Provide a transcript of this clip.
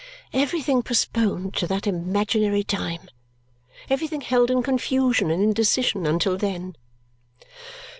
Everything postponed to that imaginary time! Everything held in confusion and indecision until then!